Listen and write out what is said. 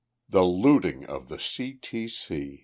XXII "THE LOOTING OF THE C. T. C."